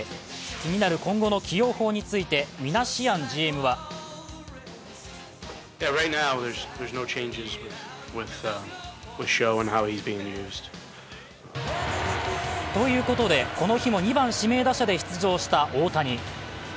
気になる今後の起用法についてミナシアンＧＭはということでこの日も２番・指名打者で出場した大谷。